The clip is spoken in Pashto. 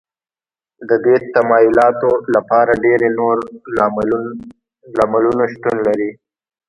د دې تمایلاتو لپاره ډېری نور لاملونو شتون لري